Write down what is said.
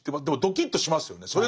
でもドキッとしますよね。